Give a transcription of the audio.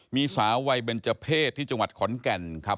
มีสาววัยเบนเจอร์เพศที่จังหวัดขอนแก่นครับ